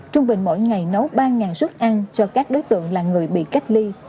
trung bình mỗi ngày nấu ba suất ăn cho các đối tượng là người bị cách ly